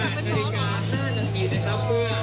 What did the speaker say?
แต่มีเวลาห้ามในธุรกาลถ้าไม่มีบัญชาการทหารอากาศ